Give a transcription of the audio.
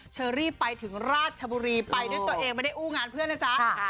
เชอรี่ไปถึงราชบุรีไปด้วยตัวเองไม่ได้อู้งานเพื่อนนะจ๊ะ